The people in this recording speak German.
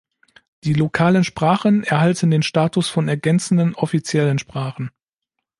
Die lokalen Sprachen erhalten den Status von „ergänzenden“ offiziellen Sprachen.